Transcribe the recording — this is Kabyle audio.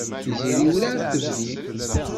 Tiziri werɛad tebdi.